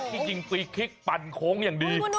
ที่ยิงฟรีคลิกปั่นโค้งอย่างดี